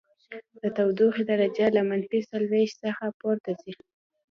د تودوخې درجه له منفي څلوېښت څخه پورته ځي